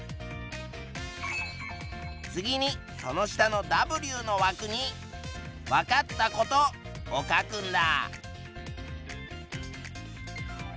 次にその下のＷのわくに「わかったこと」を書くんだ。